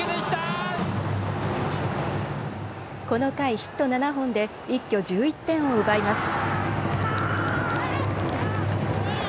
この回ヒット７本で一挙１１点を奪います。